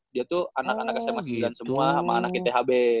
dia tuh anak anak sma sembilan semua sama anaknya thb